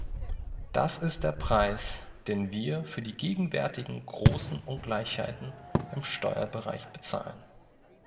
Das ist der Preis, den wir für die gegenwärtigen großen Ungleichheiten im Steuerbereich bezahlen.